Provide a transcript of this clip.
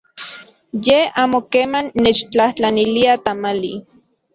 Ye amo keman nechtlajtlanilia tamali.